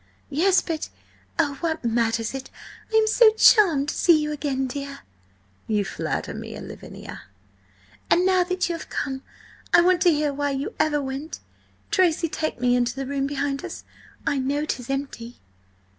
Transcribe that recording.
"Yes, but–oh, what matters it? I am so charmed to see you again, dear!" "You flatter me, Lavinia." "And now that you have come, I want to hear why you ever went! Tracy, take me into the room behind us. I know 'tis empty."